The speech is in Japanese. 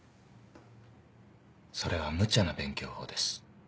それはむちゃな勉強法です。